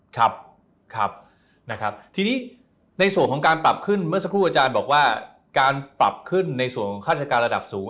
ครับครับนะครับทีนี้ในส่วนของการปรับขึ้นเมื่อสักครู่อาจารย์บอกว่าการปรับขึ้นในส่วนของฆาติการระดับสูง